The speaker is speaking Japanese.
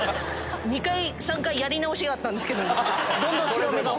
２回３回やり直しがあったんですけどもどんどん白目が。